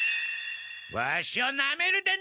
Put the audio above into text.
ワシをなめるでない！